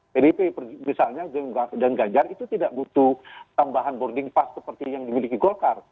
pdip misalnya dan ganjar itu tidak butuh tambahan boarding pass seperti yang dimiliki golkar